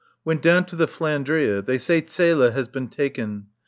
Went down to the "Flandria." They say Zele has been taken.